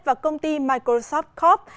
và công ty microsoft corp